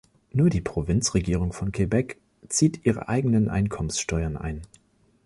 Nur die Provinzregierung von Quebec zieht ihre eigenen Einkommenssteuern ein.